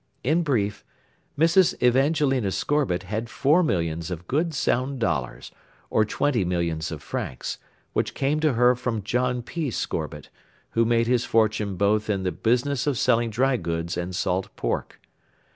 In brief, Mrs. Evangelina Scorbitt had four millions of good sound dollars, or twenty millions of francs, which came to her from John P. Scorbitt, who made his fortune both in the business of selling dry goods and salt pork.